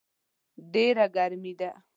ډېره ګرمي ده